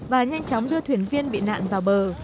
và nhanh chóng đưa thuyền viên bị nạn vào bờ